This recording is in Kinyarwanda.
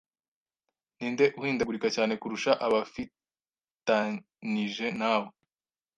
Ninde uhindagurika cyane kurusha abifatanije nawe